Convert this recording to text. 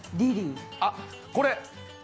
あっこれ。